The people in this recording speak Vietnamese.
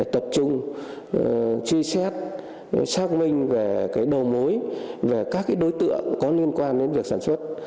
tập trung truy xét xác minh về đầu mối về các đối tượng có liên quan đến việc sản xuất